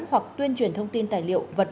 hoặc tuyên truyền thông tin tài liệu vật tội